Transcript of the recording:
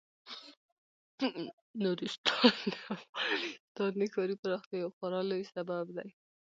نورستان د افغانستان د ښاري پراختیا یو خورا لوی سبب دی.